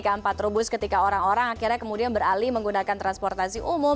kampat rebus ketika orang orang akhirnya kemudian beralih menggunakan transportasi